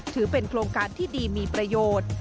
ถือเป็นโครงการที่ดีมีประโยชน์